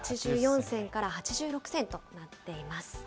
８４銭から８６銭となっています。